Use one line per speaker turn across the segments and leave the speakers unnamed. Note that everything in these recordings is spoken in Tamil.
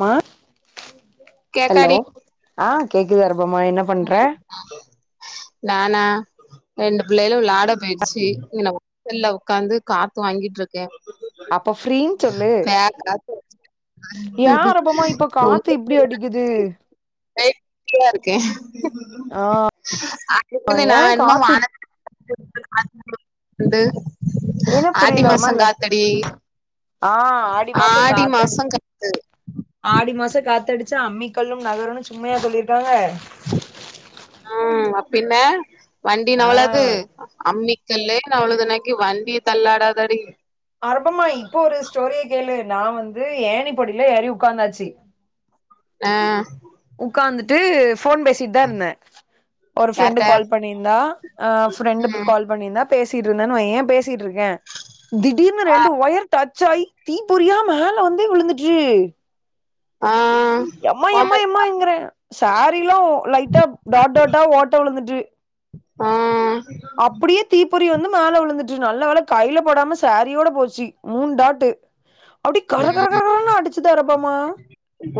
மா ஹலோ
கேக்காடி
ஆ கேக்குதா ரபம்மா என்ன பண்ற [inaudible]
நானா ரெண்டு பிள்ளையிலு விலாட பேய்ட்ச்சு இங்கன ஒக் சல்ல ஒக்காந்து காத்து வாங்கிட்டுருக் கே
அப்ப ஃப்ரீன்னு சொல்லு
பே காத்து [inaudible]
ஏ அர்பமா இப்ப காத்து இப்டி அடிக்குது
[unintelligible] இருக்கே
ஆ
அதுக்குன்னு நா
ஏ
என்மோ
காத்து
வான [inaudible] ண்டு
என்ன புரில ஒரு மாறி ல ஆ ஆடி மாசோ
மாசோ
காத்தடிச்
காத்து
ஆடி மாச காத்தடிச்சா அம்மிக்கல்லும் நகருனு சும்மையா சொல்லிருக்காங்க
ம் அப் பின்ன வண்டி
ஆ
நவளாது அம்மி கல்லே நவளுதனக்கி வண்டி தள்ளாடாதடி.
அர்பமா இப்போ ஒரு ஸ்டோரிய கேளு நா வந்து ஏணி படில ஏறி உட்காந்தாச்சு
அ
உக்காந்துட்டு போன் பேஸ். திதர்னே ஒரு ஃபிரெண்டு்
யார்ட்ட
கால் பண்ணியிந்தா அ ஃபிரெண்டு்
ம்
கால் பண்ணியிந்தா. பேசிட்டு இருந்தேனு வையை ஏன் பேசிட்டு இருக்க திடீர்னு ரெண்டு வயர் தட். ச்சேய்தீ பொரியா மேல வந்தே விழுந்திட்டுரு.
ஆ
எம்மா எம்மா
ஓம
எம்மாங்கிறேன் சாரிலாம் லைட்டா டாட்டாட்டா ஓட்ட விழுந்துட்டுருக்கு
அ
அப்படியே தீப்பொறி வந்து மேல விழுந்துட்டு நல்ல வேலை கையில படாம சேரியோட போச்சு மூண்டாட்டு அப்டி கர கர கர கர்ண அடிச்சுது அரபமா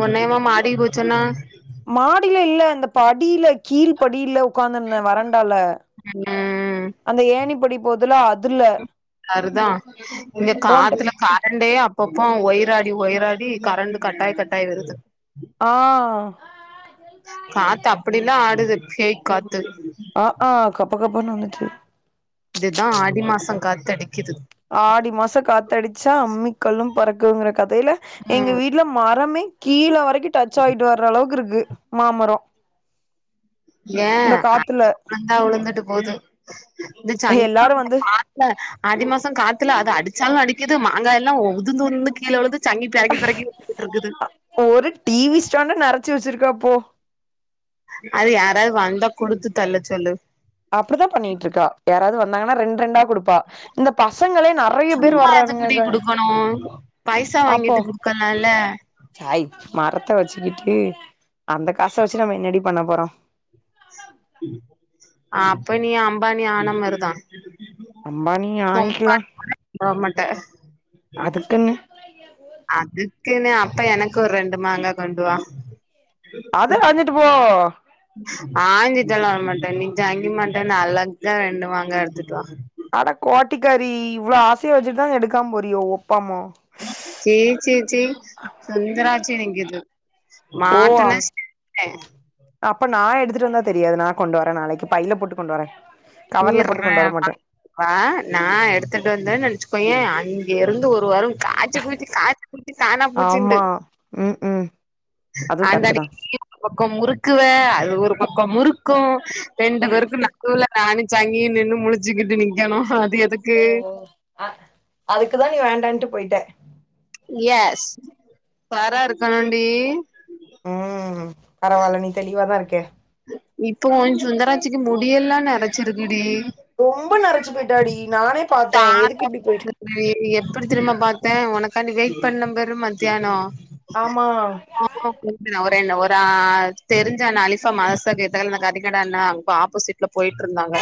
ஒன்னேமா மாடி பூச்சன்னா
மாடியே இல்ல அந்த படி கீழ் படில உட்காந்துருந்தேன் வரண்டால
ம்
அங்க ஏனி படி போதுல அதுல
ருதான் இங்க
ஓன்ட்ட
காத்துல கரண்டே கொப்பம் ஒயிராடி ஒயிராடி கரண்டு கட்டாயி கட்டாயி வருது
ஆ.
காத்து அப்டில ஆடுது பேய் காத்து.
அ அ கப்ப கப்பன்னு வந்துட்டு.
இதுதான் ஆடி மாசம் காது அடிக்குது.
ஆடி மாசம் காத்தடிச்சா அம்மிக்கல்லும் பறக்குங்கிற கதைல எங்க
ம்
வீட்ல மரமே. கீழ வரைக்கும் டச் ஆகிட்டு வர்ர அளவுக்கு இருக்கு மாமரம்.
ஏ
காத்துல
[inaudible] உளுந்தா உழுந்துட்டு போது இந்த சங்கிதா
எல்லாரு
புள்ள
வந்து
பாத். இல்ல ஆதி மாசம் காத்துல அது அடிச்சாலும் அடிக்குது மாங்காய்லாம் உதுந்துந்து கீழ விழுது. [unintelligible]
ஒரு டிவி ஸ்டாண்ட நரச்சு வச்சுருக்கப்போ.
அது யாராது வந்தா குடுத்து தல்ல சொல்லு.
அப்டிதா பண்ணிட்ருக்கா யாராவது வந்தாங்கன்னா ரெண்ட் ரெண்டா கொடுப். பா இந்த பசங்களே நறய பேர்
சும்மா எதுக்குடி
வர்றானுங்கக
குடுக்கணு பைசா
பாபோம்.
[inaudible]
சாய் மரத்த வச்சுக்கிட்டு அந்த காச வச்சு நம என்னாடி பண்ண போறோம்.
[inaudible] அப்ப நீ அம்பானி ஆனமருதான்
அம்பானி. ஆயிக்கலா அதுக்குன்னு
[inaudible] அதுக்குன்னு அப்ப எனக்கு ஒரு ரெண்டு மாங்கா கொண்டுவா.
அத ஆஞ்சுட்டு போ.
ஆஞ்ச்சுட்டுலா வரமாட்டேன் நீ சங்கி மாட்ட அழக்கா ரெண்டு மாங்கா எடுத்துட்டு வா
அட கோட்டிக்காரி இவ்ளோ ஆசைய வச்சுட்டுதான் எடுக்காம போறியோ ஒப்பாம.
சி சி சி சுந்தராச்சி என்ங்கிது.
[inaudible] அப்ப நா எடுத்துட்டு வந்தா தெரியாது நா கொண்டு வரேன் நாளைக்கு பையில போட்டு கொண்டுவரேன்.
நீர்ற வ நா எடுத்துட்டு வந்தேன்னு வச்சுக்கோயை அங்க இருந்து ஒரு வாரம் காச்சு பூச்சு காச்.
ஆமா ம் ம் அதுவு கரெக்ட் தா
அந்தனைக்கு நீ ஒர் பக்கம் முறுக்குவ அது ஒரு பக்கம் முறுக்கும். ரெண்டு பேருக்கும் நடுவுல நானு சங்கி நின்னு முழிச்சுக்கிட்டு நிக்கணும் அது எதுக்.
ஓ அ அதுக்குதான் நீ வேண்டான்ட்டு போயிட்ட
எ ஸ் உஷாரா இருக்கணுண்டி.
ம் பரவாயில நீ தெளிவாதான் இருக்க.
இப்போ ஒ சுந்தராட்சிக்கு முடியெல்லாம் நெரச்சிருக்குடி.
ரொம்ப நரச்சு போயிட்டாடி நானே பாத்தேன் எதுக்கு
தாத்தா
இப்டி போயிட்.
[inaudible] எப்டி தெரியும்மா பாத்தே உனக்காண்டி வெயிட் பண்ணபாரு மத்தியானோ
ஆமா
ஆமா [unintelligible] ஒரே தெரிஞ்ச நாளே சோ மதர்சாக்கு எதித்தாப்ல இந்த கறிகட அண்ணா அப் ஆப்போசிட்ல போயிட்ருந்தாங்க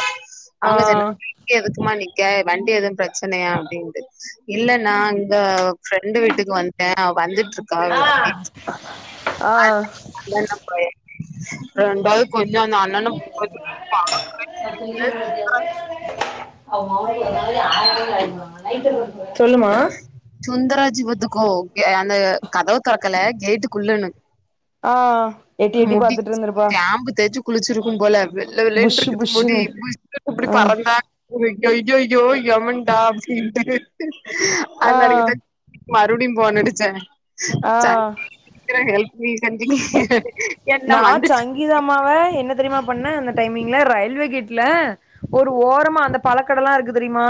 ஆ
அங்க இங்க எதுக்குமா நிக்க வண்டி எதுவு பிரச்சனையா அப்டிண்டு இல்ல நா இங்க ஃப்ரெண்டு வீட்டுக்கு வன்டே அவ வந்துட்ருக் [inaudible]
ஆ
ஆ டவுட் கொஞ்ச அந்த அண்ணணு போ
[unintelligible] சொல்லுமா
சுந்தராஜி வத்துக்கோ அந்த கதவு தொறக்கல கேட்டுக்குள்ளுன்னு
ஆ எட்டி எட்டி பாத்துட்ருந்து
சேம்பு தேய்ச்சு குளிச்சிருக்கும் போல வெள்ள வெள்ளனு
புஷு
இருக்குது முடி
புஷுன்னு
[unintelligible] இப்டி பறந்தா [unintelligible] ஐய்யய்யய்யோ யவன்ட சிரிக்கிறது
ஆ
[unintelligible] மறுபடியு போனடிச்ச
ஆ
இத்திர ஹல்ப் பீலிஸ் [unintelligible]
நா சங்கிதம்மாவ என்ன தெரியுமா பண்ணே அந்த டைமிங்ல ரயில்வே கேட்ல ஒரு ஓரமா அந்த பழக்கடலா இருக்கு தெரியுமா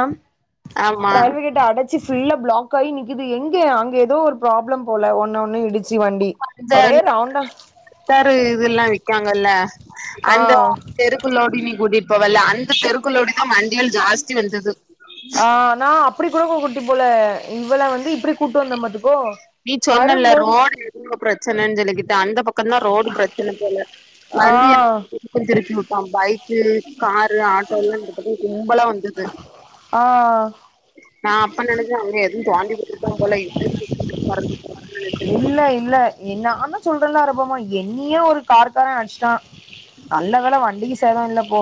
ஆமா
ரயில்வே கேட் டு அடைச்சு ஃபல்ல பிளாக்காகி நிக்குது எங்க அங்க ஏதோ ஒரு ப்ராப்ளம் போல ஒன்னு ஒன்னு இடிச் சி வண்டி ஒரே ராவுண்டா
பாரு இதுல்லா விக்காங்கல்ல
ஆ
அந்த தெருக்குள்ளோடி நீ கூட்டிப்போவல்ல அந்த தெருக்குள்ளோடிதா வண்டிகள் ஜாஸ்தி வந்தது
ஆ நா அப்டி கூட கூட்டி போல இவள வந்து இப்டி கூட்டு வந்த பாத்துக்கோ
நீ சொன்னல
வரும்போது
ரோடு எதோ பிரச்சனைன்னு சொல்லிக்கிட்டு அந்த பக்கத்தா ரோடு பிரச்சனை போல
ஆ
கொஞ்ச திருப்பி விட்டா பைக்கு காரு ஆட்டோல்லா இந்த பக்கோ கும்பலா வந்தது
ஆ
நா அப்ப நெனைச்சே அங்க எதுவு தோண்டி போட்டுறுப்பா போல [unintelligible]
[inaudible] இல்ல இல்ல எ நான்தா சொல்றேன்ல அரபமா என்னியே ஒரு கார்கார அடிச்சுட்டா நல்ல வேல வண்டிக்கு சேத இல்லப்போ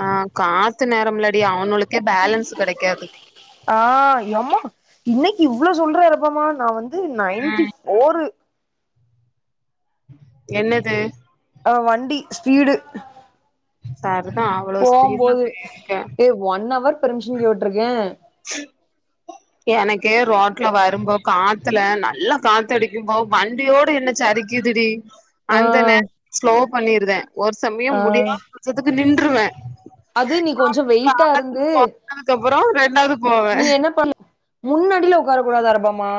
ஆ காத்து நேரம்லாடி அவனுளுக்கே பேலன்ஸ் கெடைக்காது
ஆ எம்மா இன்னைக்கு இவ்ளவு சொல்ற அரபமா நா வந்து
ம்
நைன்டிவ் ஓரு
என்னது
ஆ வண்டி ஸ்பீடு
சர்தா அவ்வளோ ஸ்பீட்ல
போம்போது
போய்ருக்கே
ஏ ஒன் அவர் பெர்மிஷன் லீவ் விட்ருக்கே
[inaudible] எனக்கே ரோட்ல வரும்போ காத்துல நல்லா காத்தடிக்கும்போ வண்டியோடு என்ன சரிக் கிதுடி
ஆ
அந்த நேர ஸ்லோ பண்ணிருதே ஒரு சமய
ஆ
முடியாத பச்சதுக்கு நின்றுருவே
அது நீ கொஞ்ச வெயிட்டாருந்து
அதுக்கப்பறோ ரெண்டாவது போவே
நீ என்ன பண் முன்னாடியில உக்காரக் கூடாது அரபமா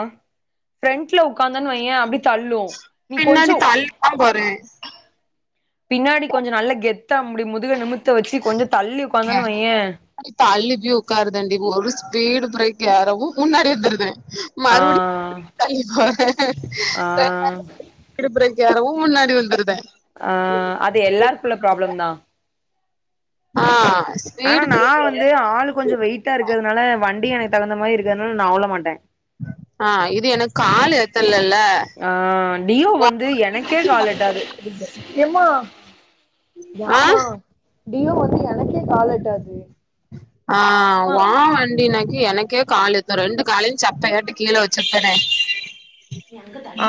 பிரண்ட்ல உக்காந்தன்வையே அப்டி தள்ளு நீ
பின்னாடி
கொஞ்சோ
தள்ளிதா போறே
பின்னாடி கொஞ்ச நல்லா கெத்த இப்டி முதுகெழும்புத் து வச்சு கொஞ்ச தள்ளி உக்காந்தானு
பின்னாடி
வையே
தள்ளி போய் உக்கார்தண்டி ஒரு ஸ்பீடு பிரேக் யாராவு முன்னாடி வந்துருது
ஆ
மறுபடி தள்ளி
ஆ
[unintelligible] இடுப் பிரேக்யாரவு முன்னாடி வந்துருதே.
ஆ அது எல்லார்க்குள்ள ப்ராப்ளம் தா.
ஆ ஸ்
ஆனா நா வந்து ஆளு கொஞ்சோ வெயிட்டா இருக்கதுனால வண்டி எனக்கு தகுந்த மாரி இருக்கதுனால் நா உழ மாட்டே.
ஆ இது எனக் காலு எத்தலல்ல.
ஆ டியோ வந் து எனக்கே கால் எட்டாது.
ஆ
டியோ வந்து என
ஆ
மா
ஓ வண்டியநாச்சு எனக்கே காலு எத்து ரெண்டு காலயு சப்பயாட்டு கீழ வெச்சுருத்தனே.
ஆ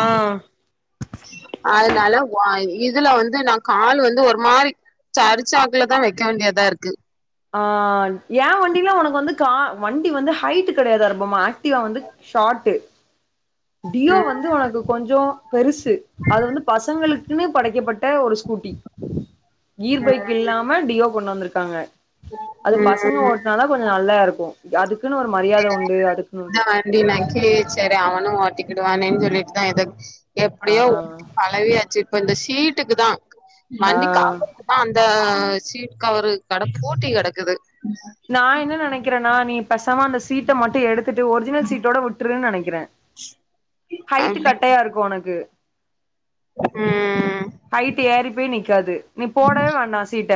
அதுனால வா இ இதுல வந்து நா காலு வந்து ஒரு மாரி சரிச்சாக்குல தா வெக்க வேண்டியதாருக்கு.
ஆ ஏ வண்டிலா உனக்கு வந்து கா வண்டி வந்து ஹைட்டு கெடையாது அர்பமா ஏக்டிவா வந்து ஷாட்டு டியோ
ம்
வந்து ஒனக்கு கொஞ்சோ பெருசு. அது வந்து பசங்களு குனு படைக்கப்பட்ட ஒரு ஸ்கூட்டி. கீர்
ம்
பைக் இல்லாம டியோ கொண்டு வந்துருக்காங்க. அது
ம்
பசங்க
ம்
ஓட்னாதா கொஞ்சோ நல்லா இருக்கு. அதுக்குனு ஒரு மரியாத உண்டு. அதுக்குனு [unintelligible]
வண்டி நா ஏக்சுலி செரி அவனு ஓட்டிக்கிடுவானேன் சொல்லிட்டு தா எதோ
ஆ
எப்டியோ ஓட்டி பழவியாச்சு இப்ப இந்த சீட்டுக்கு தா
ஆ
வண்டி கவ ர்க்குதா அந்த சீட் கவரு கட பூட்டி கெடக்குது.
நா என்ன நெனக்கிறன்னா நீ பேசமா அந்த சீட்ட மட்டு எடுத்துட்டு ஒரிஜினல் சீட்டோட உட்ருன் நெனக்கிறே. ஹைட்டு
அப்டி
கட்டையா இருக்கு ஒனக்கு.
ம்
ஹைட்டு ஏறி போய் நிக்காது. நீ போடவே வேண்டா சீட்ட.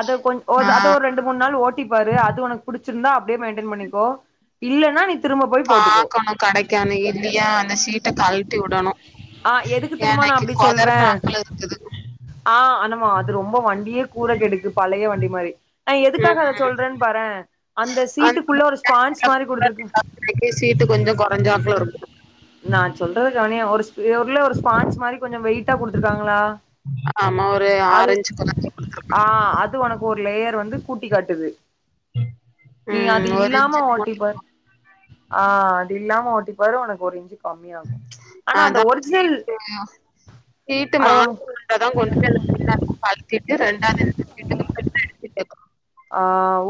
அது கொஞ் ஓர்
ஆ
த அத ஒரு மூன் நாள் ஓட்டி பாரு. அது ஒனக் புடுச்சுருந்தா அப்டியே மெய்ன்டன் பண்ணிக்கோ. இல்லன்னா நீ திரும்ப போய் போட்டுக்கோ
பாக்கணு கடைக்கான்னு இல்லியா அந்த சீ ட்ட கழ்ட்டி விடணு.
ஆ எதுக்கு தெரியுமா நா
எனக்கு
அப்டி சொல்றே
கொதர்னாப்ல இருக்குது.
ஆ அனமா அது ரொம்பொ வண்டியே கூர கெடுக்கு பழய வண்டி மாரி. நா எதுக்காக அத
ம்
சொல்றன் பாறே. அந்த சீட்டுக்குள்ள ஒரு ஸ்பான்ச் மாரி குடுத்துருக்கா
எனக்கே சீட்டு கொஞ்சோ கொறஞ்சாப்ல இருக்து.
நா சொல்றது கவுனியே ஒருஸ்பி ஒர்ல ஒரு ஸ்பான்ச்சு மாரி கொஞ்சோ வெயிட்டா குடுத்துர்க்காங்களா?
ஆமா ஒரு ஆரஞ்ச் கல
ஆ அது ஒனக்கு ஒரு லேயர் வந்து கூட்டி காட்டுது. நீ அது
ம் ஒரு
இல்லாம
இன்ச்சு
ஓட்டிப்பார். ஆ அது இல்லாம ஓட்டிப்பாரு ஒனக்கு ஒரு இன்சு கம்மியாகு. ஆனா அந்த
அதா
ஒரிஜினல்
சீட்டு
அறவோ
இப்பதா கொண்டு போய் அந்த [inaudible] ரெண்டாது [inaudible]
ஆ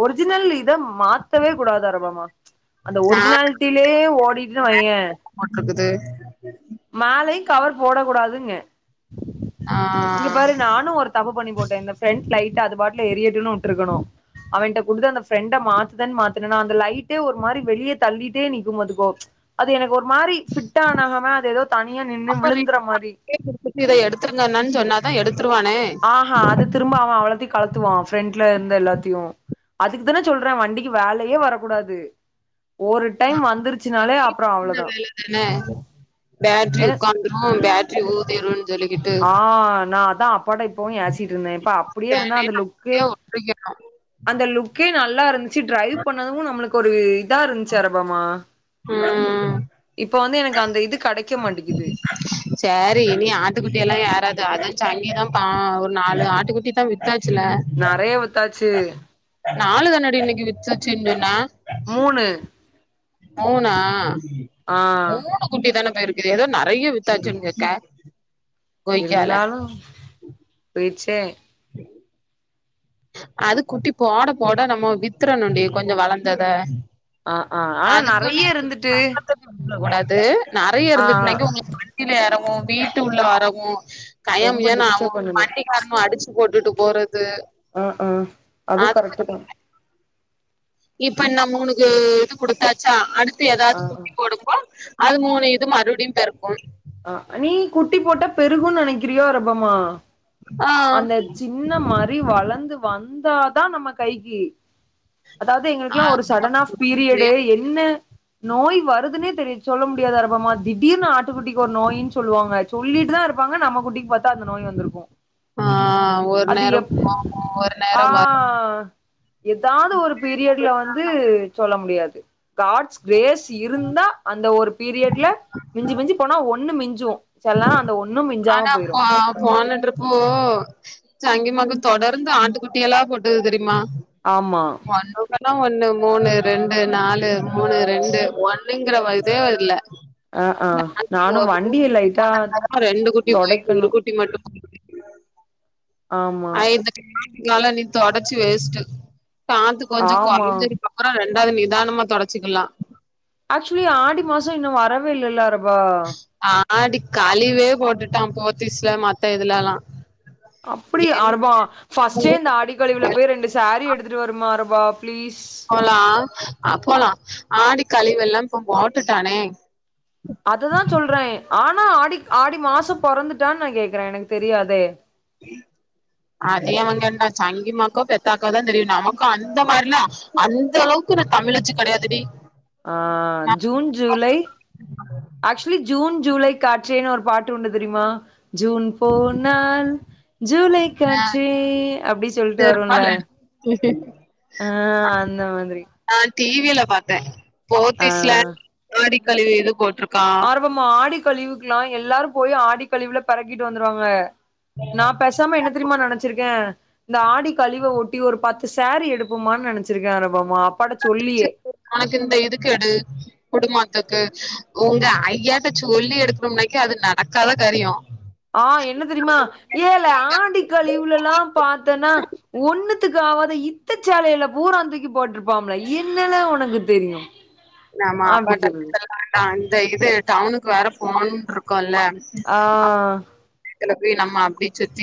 ஒரிஜினல் இத மாத்தவே கூடாது அரபமா. அந்த
நா
ஒரிஜினால்ட்டிலியே ஓடிட்னு வெய்யே
மாட்ருக்குது.
மேலயி கவர் போட கூடாதுங்கே.
ஆ
இங்க பாரு நானு ஒரு தப்பு பண்ணி போட்டே. இந்த ஃப்ரண்ட் லைட் அது பாட்ல எரியட்டுன் உட்ருக்கணு. அவய்ங்க்ட்ட குடுத்து அந்த ஃப்ரெண்ட மாத்துதன் மாத்துனனா அந்த லை ட்டு ஒரு மாரி வெளிய தள்ளிட்டே நிக்கும் பாத்துக்கோ அது எனக் ஒரு மாரி ஃபிட் ஆனாகாம எதோ தனியா நின்னு
அப்ப
விழுந்துற மாரி
[inaudible] இத எடுத்திருங்கண்ணாண் சொன்னாதா எடுத்துருவானே.
ஆஹா அத திரும்ப அவ அவ்ளத்தையு களத்துவா ஃப்ரெண்ட்ல இருந்து எல்லாத்தியு. அதுக்கு தானே சொல்ற வண்டிக்கு வேலையே வரக்கூடாது ஒரு டைம் வந்துருச்சுனாலே அப்றோ
சின்ன
அவ்ளோதா
[unintelligible] பேட்ரி உட்காந்துரு பேட்ரி ஊதிறு
ஆ நா அதா அப்பாட அப்பவு ஏசீட்டு இருந்தே இப்ப அப்புடியே இருந்தா
ஃபேனே
அந்த லுக்கு.
அப்படியே ஒட்டிக்கணு
அந்த லுக்கே நல்லா இருந்து ச்சீ ட்ரைவ் பண்ணது நம்ளுக்கு ஒரு இதா இருந்துச்சு அரபமா
ம்
இப்ப வந்து எனக்கு அந்த இது கடக்கெ மாட்டிங்குது.
சேரி. இனி ஆட்டுக்குட்டி எல்லா ஏறாது. அதா சங்கிதா பா ஒரு நாலு ஆட்டுக்குட்டி தா வித்தாச்சுல்ல.
நெறையா வித்தாச்சூ.
நாலு தன்னாடி இன்னக்கி வித்துச்சுன்டுனா
மூணு
மூணா
ஆ
மூணு கூட்டி தானே போய்ருக்கு. ஏதோ நெறைய வித்தாச்சுன்னு கேக்க கொய்யால
இருந்தாலு போய்ருச்சே
அது குட்டி போட போட நம்மோ வித்தறணுடி கொஞ்சோ வளந்தத
ஆ ஆ ஆனா
அதுக்குன்னு
நெறைய இருந்துட்டு
நல்ல க்க கூடாது நெறையா
ஆ
இருந்துட்டுனாக்கியு உங்க [unintelligible] யில ஏறவு வீட்டு உள்ள வரவு கையம்
ரொம்ப
பியான்னு அவ
டிஸ்டர்ப் பண்ணுது
வண்டிக்காரணு அடிச்சு போட்டுட்டு போறது
ஆ ஆ அதுவு
அது
கரெக்ட் தா
இப்ப நம் மூணுக்கு இது குடுத்தாச்சா அடுத்து ஏதாவது
ஆ
கூட்டி போடுகோ அது மூணு இது மறுபடியு பெருக்கும்
அஹ நீ குட்டி போட்ட பெருகு நெனைக்கிறியோ ரப்பமா
ஆ
அந்த சி இன்ன மாரி வளர்ந்து வந்தாதா நம்ம கைக்கு அதாவது எங்களுக்குல்லா ஒரு சடனா ஃபீரியடு என் என்ன நோய் வருதுன்னே தெரி சொல்ல முடியாது [unintelligible] திடீர்னு ஆட்டுக்குட்டி ஒரு நோயின்னு சொல்லுவாங்க சொல்லிட்டு தா இருப்பாங்க நம்ம குட்டிக்கு பாத்தா அந்த நோய் வந்திருக்கு
ஆ ஒரு
அது
நேரோ
எப்
போகு ஒரு
ஆ
நேரோ வரு
எதாது ஒரு பீரியட்ல வந்து சொல்ல முடியாது காட்ஸ் கிரேஸ் இருந்தா அந்த ஒரு பீரியட்ல மிஞ்சு மிஞ்சு போனா ஒன்னு மிஞ்சோ சில நெரோ அந்த ஒன்
ஆனா போ போன ட்ரிப் ஓ சங்கிமாக் தொடர்ந்து ஆட்டுக்குட்டி எல்லா கொட்டுது தெரியுமா
ஆமா
ஒண்றுக்கெல்லா ஒண்ணு மூணு ரெண்டு நாலு மூணு
ம்
ரெண்டு ஒண்ணுங்கற வதே இல்ல
ஆ ஆ
மூ
நானு வண்டிய
குட்டி
லைட்டா
போட்ட ரெண்டு குட்டி போய் ஒரு
தொடைக்கணு
குட்டி மட்டு
ஆமா
ஐந்து நாட்டுக்கால நீ தொடச்சி வேஸ்ட்டு காத்து கொஞ்ச
ஆமா
குறைஞ்சிரு அப்பற ரெண்டாவது நிதானமா தொடச்சுக்கலா
ஆக்சுவலி ஆடி மாச இன்னு வரவே இல்லல ரபா
ஆடி காழிவே போட்டுட்டா போத்தீஸ்ல மத்தா இதுலல்ல
அப்டி அர்வா ஃபர்ஸ்டே இந்த ஆடி கழிவுல போய் ரெண்டு சாரி எடுத்துட்டு வருமா ரூபா பிளீஸ்
போலா அ போலா ஆடி கழிவு எல்லா இப்போ போட்டுட்டானே
அதுதா சொல்றே ஆனா ஆடி ஆடி மாச போறந்துட்டான்னு நா கேக்குறே எனக்கு தெரியாதே
அதே அவங்க என்னா சங்கிமாக்கோ பெத்தாக்கோ தா தெரியு நமக்கு அந்த மாரிலா அந்த அளவுக்கு நா தமிழிச்சு கடையாது டி
ஆ June July actually June July காற்றேன்னு ஒரு பாட்டு உண்டு தெரியுமா ஜூன் போனாள் ஜூலை காற்றே அப்டி சொல்டு வரும்ல
[inaudible]
ஆன் அந்த மாதிரி
நான் டிவில பாத்தேன்
ஆ
போத்திஸ்ல ஆடி கழிவு எது போட்ருக்கான்
ஆம்மா மா ஆடிக் கழிவுக்கலாம் எல்லாரும் போயி ஆடிக் கழிவுல பறக்கிட்டு வந்துருவாங்க நான் பேச நம்ம என்ன தெரியுமா நெனைச்சிருக்கே இந்த ஆடி கழிவ ஒட்டி ஒரு பத்து சாரீ எடுப்போமான்னு நெனைச்சிருக்கே அனுபமா அப்பாட சொல்லியே
உனக்கு இந்த இது கெடு குடும்பத்துக்கு உங்க ஐயாட்ட சொல்லி எடுக்கணோம்னக்க அது நடக்காதா காரியோ
ஆ என்ன தெரியுமா ஏல ஆடி கழிவுலெல்லா பாத்தேன்னா ஒண்ணுத்துக்கு ஆவாத இத்த சேலையில பூரா தூக்கி போட்டுருப்பம்ல என்னல உனக்கு தெரியு
ஆமா
அப்டி
அப்பட்டா
சொல்லுது
[unintelligible] இந்த இது டவுனுக்கு வேற ஃபோன் இருக்கோல்ல
ஆ
எனக்கு நம்ம அப்டி சுத்தி